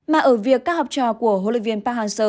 mà ở việc các học trò của hlv park hang seo